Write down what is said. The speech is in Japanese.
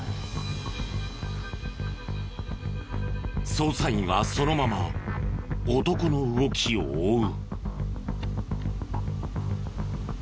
捜査員はそのまま男の動きを追う。